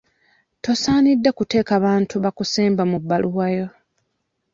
Tosaanidde kuteeka bantu bakusemba mu bbaluwa yo.